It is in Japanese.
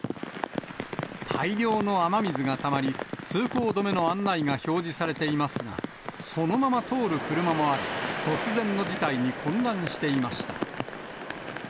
大量の雨水がたまり、通行止めの案内が表示されていますが、そのまま通る車もあり、突然の事態に混乱していました。